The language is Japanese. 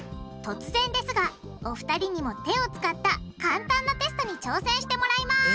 突然ですがお二人にも手を使った簡単なテストに挑戦してもらいます！